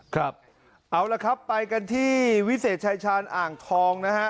ครับเอาละครับไปกันที่วิเศษชายชาญอ่างทองนะฮะ